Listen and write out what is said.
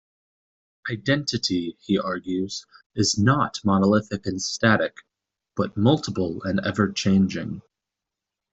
Identity, he argues, is not monolithic and static; but multiple and ever-changing.